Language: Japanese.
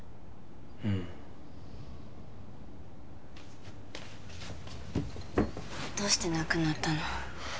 うんどうして亡くなったの？